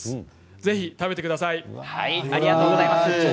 ぜひ食べてください。